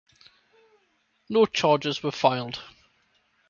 No charges were filed.